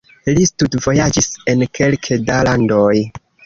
Li studvojaĝis en kelke da landoj.